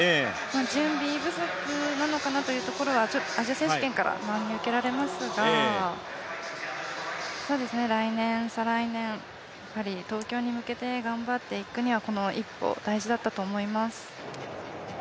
準備不足なのかなということはアジア選手権から見受けられますが、来年、再来年に東京に向けてこの一歩、大事だったと思います。